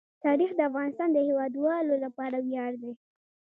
تاریخ د افغانستان د هیوادوالو لپاره ویاړ دی.